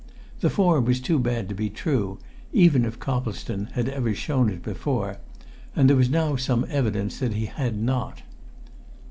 The form was too bad to be true, even if Coplestone had ever shown it before; and there was now some evidence that he had not.